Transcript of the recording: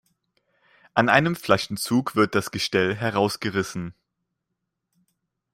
An einem Flaschenzug wird das Gestell herausgerissen.